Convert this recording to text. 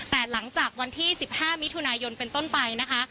แต่หลังจากวันที่๑๕มิถุนายนเป็นต้นไปนะคะ